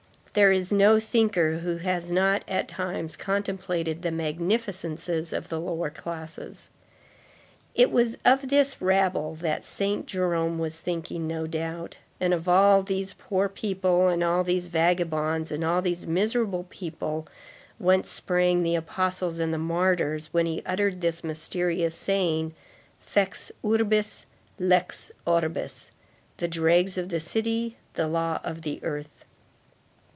There is no thinker who has not at times contemplated the magnificences of the lower classes. It was of this rabble that Saint Jerome was thinking, no doubt, and of all these poor people and all these vagabonds and all these miserable people whence sprang the apostles and the martyrs, when he uttered this mysterious saying: "Fex urbis, lex orbis,"—the dregs of the city, the law of the earth.